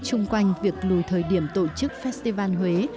chung quanh việc lùi thời điểm tổ chức festival huế